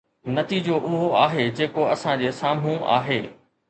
نتيجو اهو آهي جيڪو اسان جي سامهون آهي.